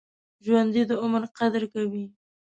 ژوندي د عمر قدر کوي